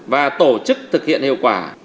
và tổ chức thực hiện hiệu quả